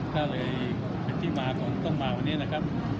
ก็เลยเป็นที่มาต้องมาวันนี้นะครับ